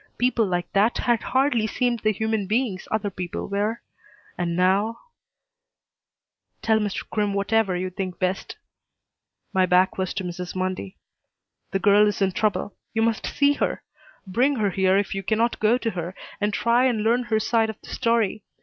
People like that had hardly seemed the human beings other people were. And now "Tell Mr. Crimm whatever you think best." My back was to Mrs. Mundy. "The girl is in trouble. You must see her. Bring her here if you cannot go to her, and try and learn her side of the story.